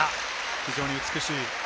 非常に美しい。